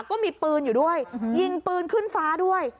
ก็มีปืนอยู่ด้วยยิงปืนขึ้นฟ้าด้วย